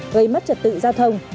gây mất trật tự giao thông